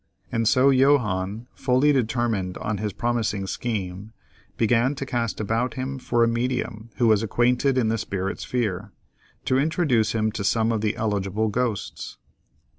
And so Johannes, fully determined on this promising scheme, began to cast about him for a medium who was acquainted in the spirit sphere, to introduce him to some of the eligible ghosts.